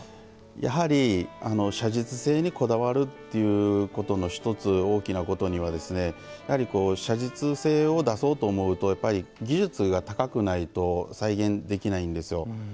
やはり写実性にこだわるということの１つ大きなことにはやはり写実性を出そうと思うと技術が高くないと再現できないんですよ。